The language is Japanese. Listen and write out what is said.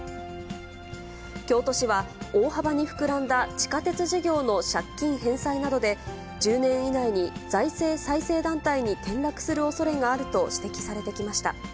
京都市は、大幅に膨らんだ地下鉄事業の借金返済などで、１０年以内に財政再生団体に転落するおそれがあると指摘されてきました。